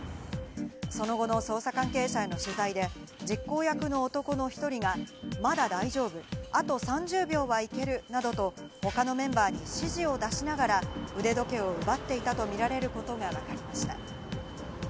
その後の捜査関係者への取材で、実行役の男の１人がまだ大丈夫、あと３０秒はいけるなどと他のメンバーに指示を出しながら腕時計を奪っていたとみられることがわかりました。